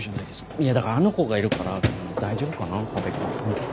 いやだからあの子がいるから大丈夫かな河辺君。